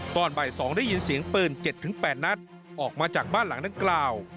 ตอนบ่าย๒ได้ยินเสียงปืน๗๘นัดออกมาจากบ้านหลังดังกล่าว